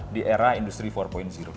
ini adalah tuntutan di era industri empat